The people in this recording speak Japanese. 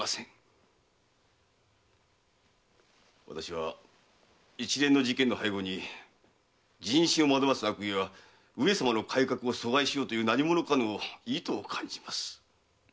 私は一連の事件の背後に人心を惑わす悪意や上様の改革を阻害しようという何者かの意図を感じます。